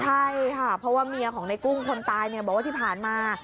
ใช่ค่ะเพราะว่าเมียของในกุ้งคนตายบอกว่าที่ผ่านมา